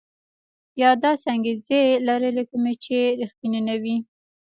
یا داسې انګېزې لري کومې چې ريښتيني نه وي.